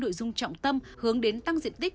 đội dung trọng tâm hướng đến tăng diện tích